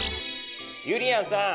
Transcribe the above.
ゆりやんさん。